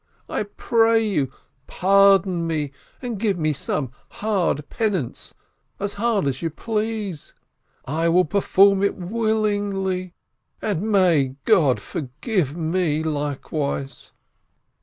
I pray you, pardon me and give me a hard penance, THE CLEVER RABBI 587 as hard as you please. I will perform it willingly, and may God forgive me likewise